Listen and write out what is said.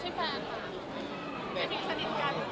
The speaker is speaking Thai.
ดีดีดี